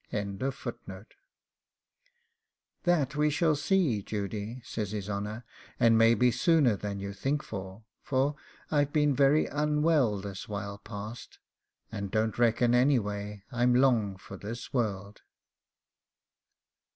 'That we shall see, Judy,' says his honour, 'and maybe sooner than you think for, for I've been very unwell this while past, and don't reckon anyway I'm long for this world.